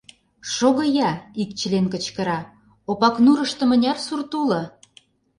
Шого-я, — ик член кычкыра, — Опакнурышто мыняр сурт уло?